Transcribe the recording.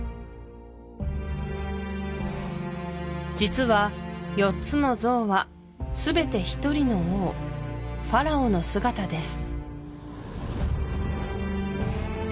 実は４つの像は全て１人の王ファラオの姿です